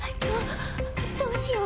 どどうしよう？